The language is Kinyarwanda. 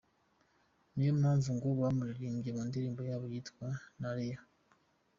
Niyo mpamvu ngo bamuririmbye mu ndirimbo yabo yitwa “Nerea”.